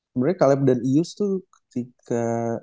sebenernya caleb dan ius tuh ketika